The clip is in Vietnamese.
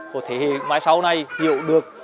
của thế hệ mai sau này hiểu được